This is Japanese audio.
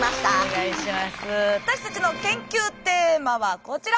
私たちの研究テーマはこちら！